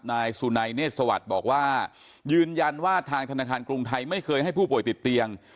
นายสุนัยเนธสวัสดิ์บอกว่ายืนยันว่าทางธนาคารกรุงไทยไม่เคยให้ผู้ป่วยติดเตียง